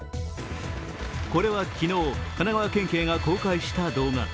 これは昨日、神奈川県警が公開した動画。